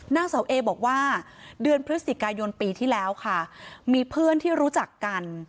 นางเสาเอบอกว่าเดือนพฤศจิกายนปีที่แล้วค่ะมีเพื่อนที่รู้จักกัน